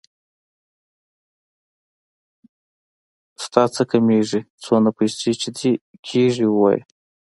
د تانه څه کمېږي څونه پيسې چې دې کېږي ووايه.